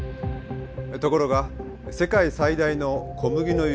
ところが世界最大の小麦の輸出国